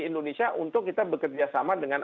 indonesia untuk kita bekerjasama dengan